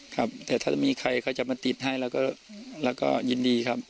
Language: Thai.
ครับแต่ถ้ามีใครเขาจะมาติดให้เราก็ยินดีครับ